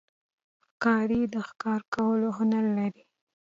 ښکاري د ښکار کولو هنر لري.